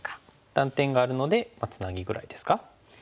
断点があるのでツナギぐらいですか。